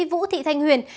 vũ thị thanh huyền